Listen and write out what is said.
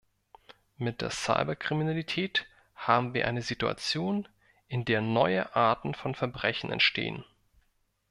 Mit der Cyberkriminalität haben wir eine Situation, in der neue Arten von Verbrechen entstehen.